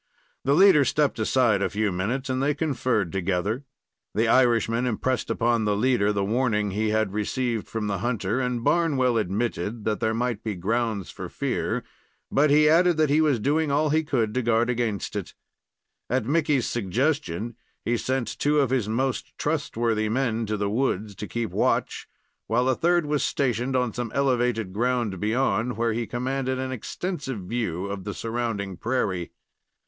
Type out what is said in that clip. The leader stepped aside a few minutes, and they conferred together. The Irishman impressed upon the leader the warning he had received from the hunter, and Barnwell admitted that there might be grounds for the fear, but he added that he was doing all he could to guard against it. At Mickey's suggestion, he sent two of his most trustworthy men to the woods to keep watch, while a third was stationed on some elevated ground beyond, where he commanded an extensive view of the surrounding prairie.